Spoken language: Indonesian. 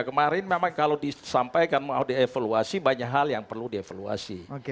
kemarin memang kalau disampaikan mau dievaluasi banyak hal yang perlu dievaluasi